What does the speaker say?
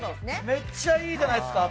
めっちゃいいじゃないですか。